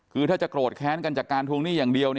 คือถ้าจะโกรธแค้นกันจากการทวงหนี้อย่างเดียว